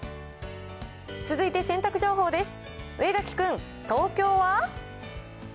続いて洗濯情報です。